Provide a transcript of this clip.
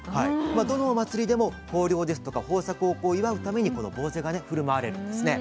どのお祭りでも豊漁ですとか豊作を祝うためにこのぼうぜがね振る舞われるんですね。